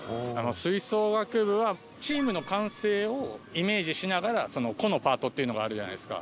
吹奏楽部はチームの完成をイメージしながらその個のパートっていうのがあるじゃないですか。